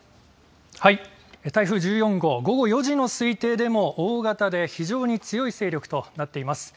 台風１４号、午後４時の推定でも大型で非常に強い勢力となっています。